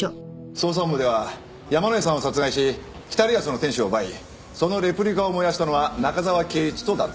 捜査本部では山井さんを殺害し『北リアスの天使』を奪いそのレプリカを燃やしたのは中沢啓一と断定。